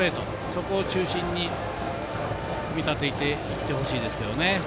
そこを中心に組み立てていってほしいですね。